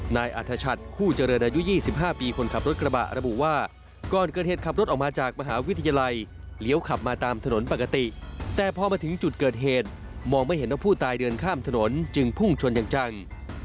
นายอัธชัดคู่เจริญอายุ๒๕ปีคนขับรถกระบะระบุว่าก่อนเกิดเหตุขับรถออกมาจากมหาวิทยาลัยเลี้ยวขับมาตามถนนปกติแต่พอมาถึงจุดเกิดเหตุมองไม่เห็นว่าผู้ตายเดินข้ามถนนจึงพุ่งชนอย่างจัง